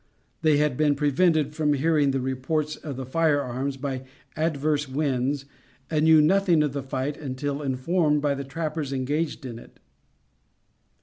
They had been prevented from hearing the reports of fire arms by adverse winds, and knew nothing of the fight until informed by the trappers engaged in it.